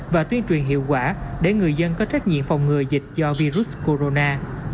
và tuyên truyền hiệu quả để người dân có trách nhiệm phòng ngừa dịch do virus corona